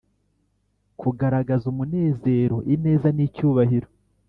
kugaragaza umunezero, ineza, n'icyubahiro